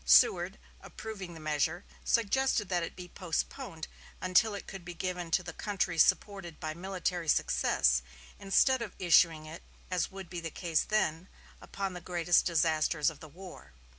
Seward, approving the measure, suggested that it be postponed until it could be given to the country supported by military success, instead of issuing it, as would be the case then, upon the greatest disasters of the war.